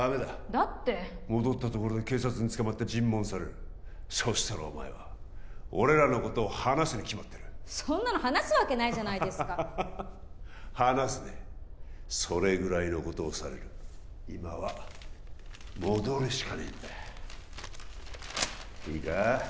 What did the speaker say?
だって戻ったところで警察に捕まって尋問されるそしたらお前は俺らのことを話すに決まってるそんなの話すわけないじゃないですか話すねそれぐらいのことをされる今は戻るしかねえんだいいか